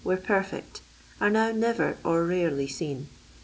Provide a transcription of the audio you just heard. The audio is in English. were perfect, are now never, or rarely, seen.